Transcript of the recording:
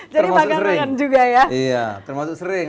jadi makan makan juga ya iya termasuk sering